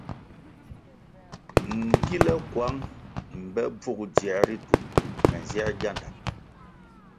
Nkile kuang mbe bvug dzier ritu me nzier gianda.